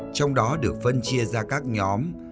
trong đó được phân chia ra các nhóm